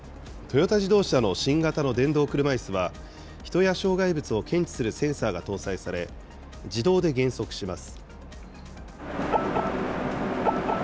安全機能を強化する動きが活発にトヨタ自動車の新型の電動車いすは、人や障害物を検知するセンサーが搭載され、自動で減速します。